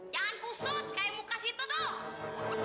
jangan pusut kayak muka situ tuh